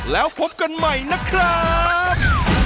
แล้วพบกันใหม่นะครับ